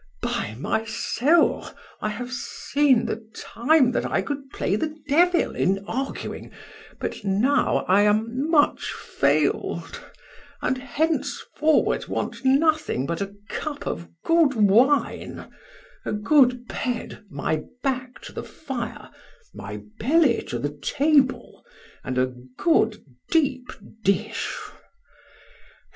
By my soul, I have seen the time that I could play the devil in arguing, but now I am much failed, and henceforward want nothing but a cup of good wine, a good bed, my back to the fire, my belly to the table, and a good deep dish.